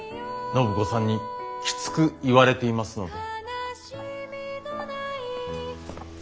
暢子さんにきつく言われていますので。